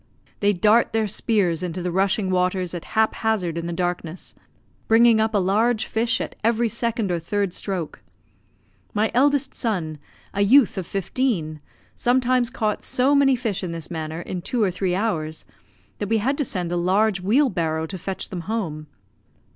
They dart their spears into the rushing waters at hap hazard in the darkness, bringing up a large fish at every second or third stroke. My eldest son, a youth of fifteen, sometimes caught so many fish in this manner in two or three hours, that we had to send a large wheelbarrow to fetch them home.